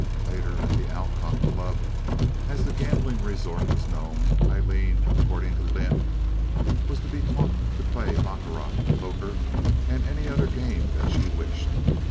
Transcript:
Later at the Alcott Club, as the gambling resort was known, Aileen, according to Lynde, was to be taught to play baccarat, poker, and any other game that she wished.